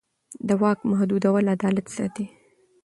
د واک محدودول عدالت ساتي